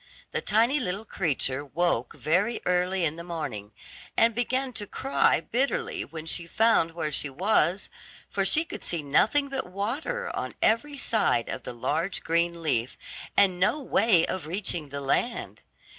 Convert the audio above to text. The tiny little creature woke very early in the morning, and began to cry bitterly when she found where she was, for she could see nothing but water on every side of the large green leaf, and no way of reaching the land.